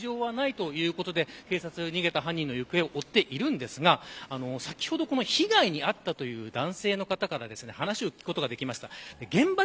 命に別条はないということで警察は逃げた犯人の行方を追っていますが先ほど被害に遭ったという男性の方から話を聞くことができました。